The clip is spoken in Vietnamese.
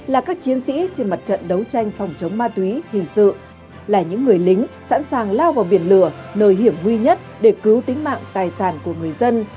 là các chiến sĩ trên mặt trận đấu tranh phòng chống ma túy hình sự là những người lính sẵn sàng lao vào biển lửa nơi hiểm nguy nhất để cứu tính mạng tài sản của người dân